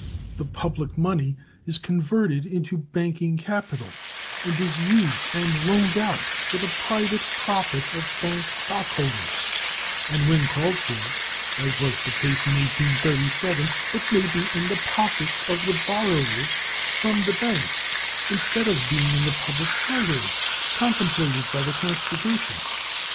The public money is converted into banking capital, and is used and loaned out for the private profit of bank stockholders, and when called for, as was the case in 1837, it may be in the pockets of the borrowers from the banks instead of being in the public Treasury contemplated by the Constitution.